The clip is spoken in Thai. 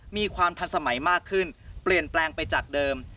มีความทันสมัยมากขึ้นเปลี่ยนแปลงไปจากเดิม